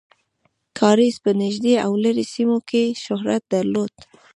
کاریز په نږدې او لرې سیمو کې شهرت درلود.